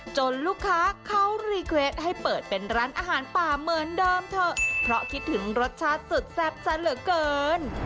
ลูกค้าเขารีเกรทให้เปิดเป็นร้านอาหารป่าเหมือนเดิมเถอะเพราะคิดถึงรสชาติสุดแซ่บซะเหลือเกิน